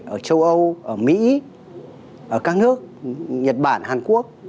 ở châu âu ở mỹ ở các nước nhật bản hàn quốc